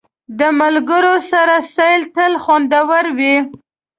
د ملګرو سره سیل تل خوندور وي.